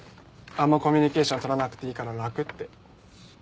あんまコミュニケーションとらなくていいから楽って。